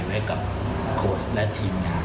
ไว้กับโคสต์และทีมงาน